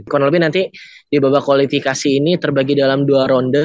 kurang lebih nanti di babak kualifikasi ini terbagi dalam dua ronde